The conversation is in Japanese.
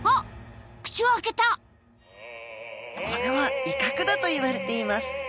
これは威嚇だといわれています。